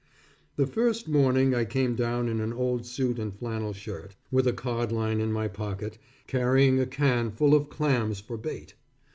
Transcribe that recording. The first morning, I came down in an old suit and flannel shirt, with a cod line in my pocket, carrying a can full of clams for bait.